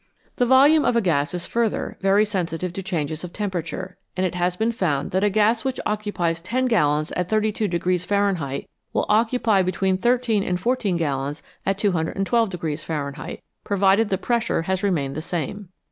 The volume of a gas is further very sensitive to changes of temperature, and it has been found that a gas which occupies ten gallons at 32 Fahrenheit will occupy between thirteen and fourteen gallons at 212 Fahrenheit, provided the pressure has remained the same.